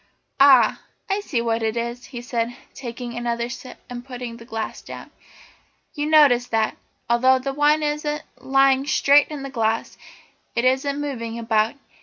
"Ah, I see what it is," he said, taking another sip and putting the glass down. "You notice that, although the wine isn't lying straight in the glass, it isn't moving about.